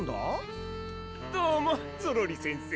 どうもゾロリせんせ！